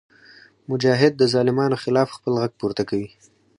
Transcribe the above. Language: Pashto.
مجاهد د ظالمانو خلاف خپل غږ پورته کوي.